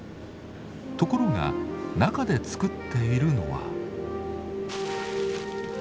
ところが中でつくっているのは。